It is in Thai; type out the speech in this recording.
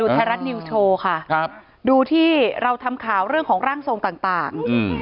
ไทยรัฐนิวส์โชว์ค่ะครับดูที่เราทำข่าวเรื่องของร่างทรงต่าง